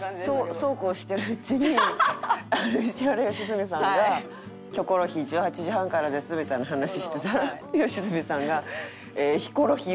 そうこうしてるうちに石原良純さんが『キョコロヒー』１８時半からですみたいな話してたら良純さんが。